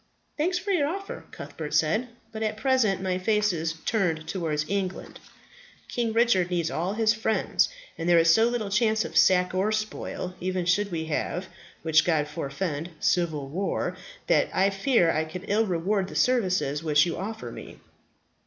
"Thanks for your offer," Cuthbert replied; "but at present my face is turned towards England. King Richard needs all his friends; and there is so little chance of sack or spoil, even should we have which God forfend civil war, that I fear I could ill reward the services which you offer me."